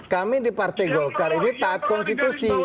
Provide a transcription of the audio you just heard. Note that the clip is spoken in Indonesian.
kami di partai golkar ini taat konstitusi